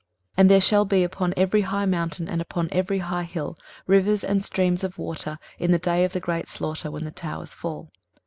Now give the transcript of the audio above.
23:030:025 And there shall be upon every high mountain, and upon every high hill, rivers and streams of waters in the day of the great slaughter, when the towers fall.